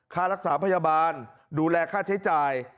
ค่ารักษาพยาบาลดูแลค่าใช้จ่าย